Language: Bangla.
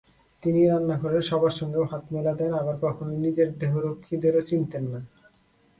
তিনি রান্নাঘরের সবার সঙ্গেও হাত মেলাতেন, আবার কখনো নিজের দেহরক্ষীদেরও চিনতেন না।